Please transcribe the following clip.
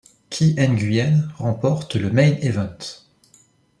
Qui Nguyen remporte le Main Event.